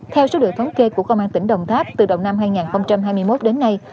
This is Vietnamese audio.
theo số liệu thống kê của công an tỉnh đồng tháp từ đầu năm hai nghìn hai mươi một đến nay